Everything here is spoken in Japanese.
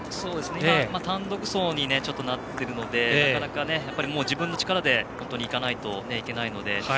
単独走になっているので自分の力で本当に行かないといけないので。